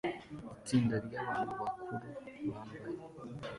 Itsinda ryabantu bakuru bambaye